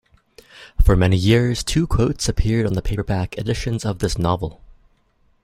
For many years, two quotes appeared on the paperback editions of this novel.